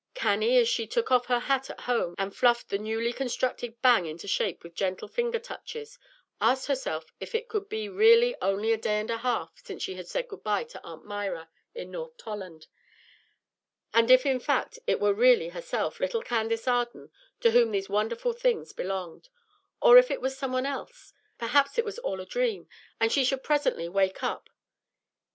Cannie, as she took off her hat at home and fluffed the newly constructed "bang" into shape with gentle finger touches, asked herself if it could be really only a day and a half since she said good by to Aunt Myra in North Tolland; and if in fact it were really herself, little Candace Arden, to whom these wonderful things belonged, or was it some one else? Perhaps it was all a dream, and she should presently wake up.